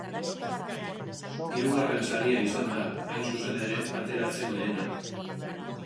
Hirugarren saria izan da, hain zuzen ere, ateratzen lehena.